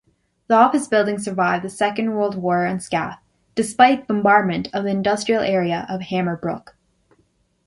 The office building survived the Second World War unscathed, despite bombardment of the industrial area of Hammerbrook.